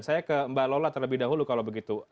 saya ke mbak lalala terlebih dahulu